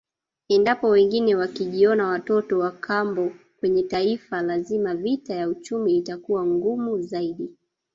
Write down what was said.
Endapo wengine wakijiona watoto wakambo kwenye Taifa lazima vita ya uchumi itakuwa ngumu zaidi